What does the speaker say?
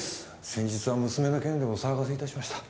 先日は娘の件でお騒がせいたしました